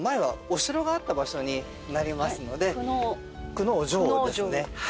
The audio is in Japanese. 久能城ですね。